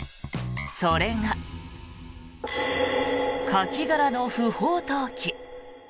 それが、カキ殻の不法投棄。